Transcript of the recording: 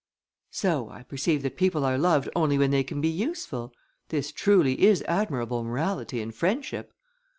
"So, I perceive that people are loved only when they can be useful. This truly is admirable morality and friendship!"